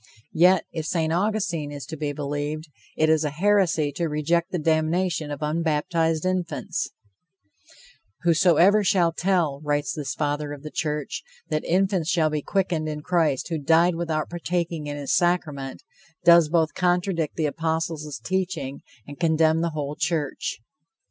Yet, if St. Augustine is to be believed, it is a heresy to reject the damnation of unbaptized infants: "Whosoever shall tell," writes this Father of the church, "that infants shall be quickened in Christ who died without partaking in his sacrament, does both contradict the apostles' teaching and condemn the whole church."